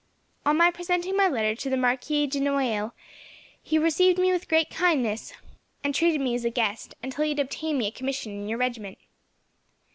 On my presenting my letter to the Marquis de Noailles, he received me with great kindness, and treated me as a guest, until he had obtained me a commission in your regiment.